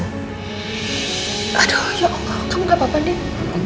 aduh ya allah kamu gak apa apa andin